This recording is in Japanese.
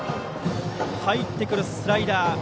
入ってくるスライダー。